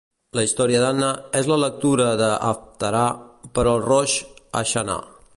La història d'Anna és la lectura de Haftarà per al Roix ha-Xanà.